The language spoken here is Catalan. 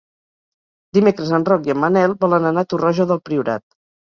Dimecres en Roc i en Manel volen anar a Torroja del Priorat.